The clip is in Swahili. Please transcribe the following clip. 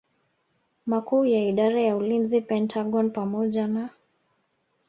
Makuu ya Idara ya Ulinzi Pentagon pamoja na